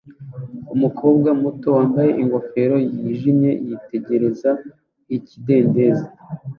Umukobwa muto wambaye ingofero yijimye yitegereza ikidendezi